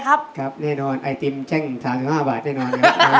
ครับแน่นอนไอติมแช่ง๓๕บาทแน่นอนครับ